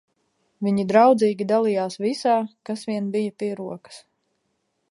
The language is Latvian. Viņi draudzīgi dalījās visā, kas vien bija pie rokas.